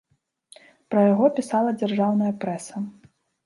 Пра яго пісала дзяржаўная прэса.